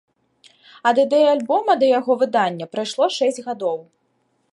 Ад ідэі альбома да яго выдання прайшло шэсць гадоў.